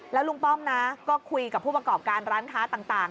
แล้วลุงป้อมนะก็คุยกับผู้ประกอบการร้านค้าต่าง